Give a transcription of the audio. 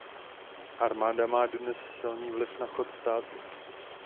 Armáda má dodnes silný vliv na chod státu.